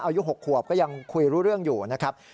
อายุ๖ขวบก็ยังคุยรู้เรื่องอยู่นะครับ